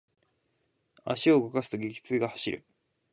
足を動かすと、激痛が走る。